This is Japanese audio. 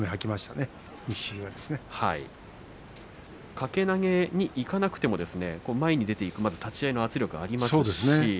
掛け投げにいかなくても前に出ていく立ち合いの圧力がありましたね。